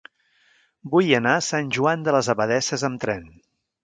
Vull anar a Sant Joan de les Abadesses amb tren.